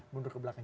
mundur ke belakang